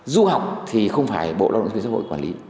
du học thì không phải bộ lao động thương xã hội quản lý